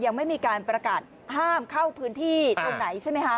ยังไม่มีการประกาศห้ามเข้าพื้นที่ตรงไหนใช่ไหมคะ